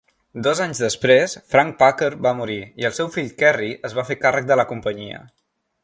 Dos anys després, Frank Packer va morir, i el seu fill Kerry es va fer càrrec de la companyia.